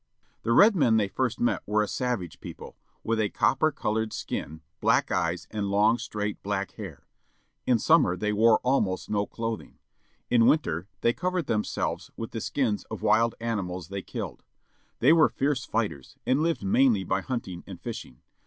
The red men they first met were a savage people, with a copper colored skin, black eyes, and long straight black hair. In summer they wore almost no clothing. In winter they covered themselves with the skins of wild animals they killed. They were fierce fighters, and lived mainly by hunting and fishing.